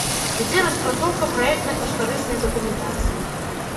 Ідзе распрацоўка праектна-каштарыснай дакументацыі.